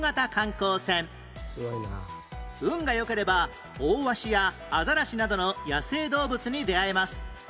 運が良ければオオワシやアザラシなどの野生動物に出会えます